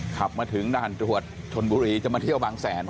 ขับมาถึงด่านตรวจชนบุรีจะมาเที่ยวบางแสน